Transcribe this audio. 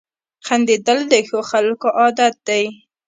• خندېدل د ښو خلکو عادت دی.